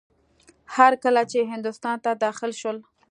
هر کله چې هندوستان ته داخل شول.